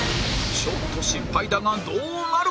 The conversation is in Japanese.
ちょっと心配だがどうなる？